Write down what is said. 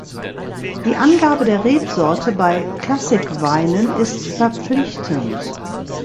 Die Angabe der Rebsorte bei Classic-Weinen ist verpflichtend.